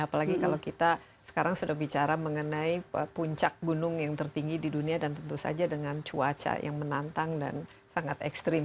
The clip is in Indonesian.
apalagi kalau kita sekarang sudah bicara mengenai puncak gunung yang tertinggi di dunia dan tentu saja dengan cuaca yang menantang dan sangat ekstrim